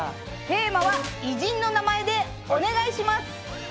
テーマは偉人の名前でお願いします。